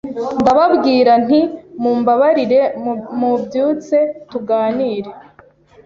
ndababwira nti mumbabarire mumubyutse tuganire